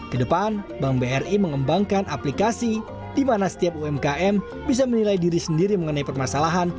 kedepan bank bri mengembangkan aplikasi di mana setiap umkm bisa menilai diri sendiri mengenai permasalahan